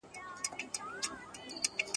فرینک هېرس څه شه ويلي دي